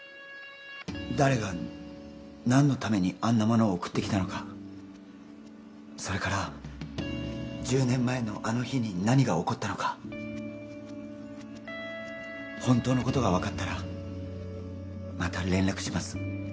誰が何のためにあんなものを送ってきたのかそれから１０年前のあの日に何が起こったのかホントのことが分かったらまた連絡します